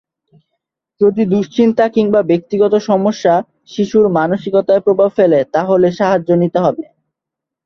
যদি দুশ্চিন্তা কিংবা ব্যক্তিগত সমস্যা শিশুর মানসিকতায় প্রভাব ফেলে তাহলে সাহায্য নিতে হবে।